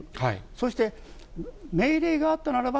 そして命令があったならば、